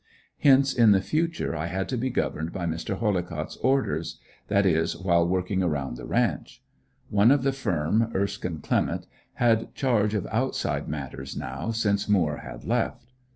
Hence in the future I had to be governed by Mr. Hollicott's orders that is while working around the ranch. One of the firm, Erskine Clement, had charge of outside matters, now, since Moore had left.